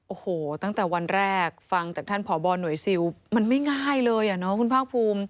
โอ้โหตั้งแต่วันแรกฟังจากท่านผอบอหน่วยซิลมันไม่ง่ายเลยอ่ะเนาะคุณภาคภูมิ